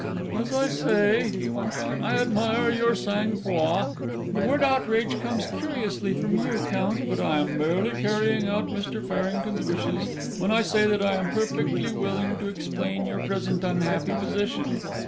"As I say," he went on, "I admire your sang froid. The word 'outrage' comes curiously from you, Count, but I am merely carrying out Mr. Farrington's wishes, when I say that I am perfectly willing to explain your present unhappy position.